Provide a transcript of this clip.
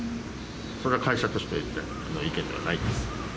それは会社としての意見ではないです。